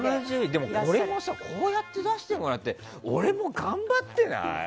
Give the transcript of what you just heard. でも俺もこうやって出してもらって俺も頑張ってない？